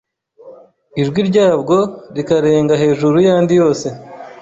ijwi ryabwo rikarenga hejuru y’andi yose